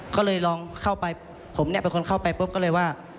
ก็เลยลองเข้าไปผมเนี่ยเป็นคนเข้าไปปุ๊บก็เลยว่า